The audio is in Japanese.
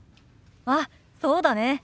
あっそうだね。